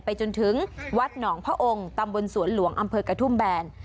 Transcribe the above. จนถึงวัดหนองพระองค์ตำบลสวนหลวงอำเภอกระทุ่มแบน